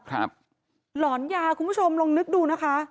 หลอนยาคุณผู้ชมลองนึกดูนะคะ